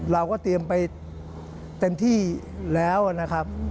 เราก็เตรียมไปเต็มที่แล้วนะครับ